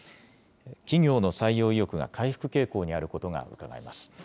企業の採用意欲が回復傾向にあることがうかがえます。